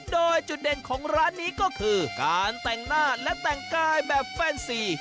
โดยจุดเด่นของร้านนี้ก็คือการแต่งหน้าและแต่งกายแบบแฟนซี